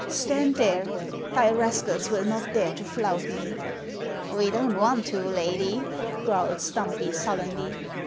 "Stand there! Thy rascals will not dare to flout me!" "We don't want to, lady," growled Stumpy, sullenly.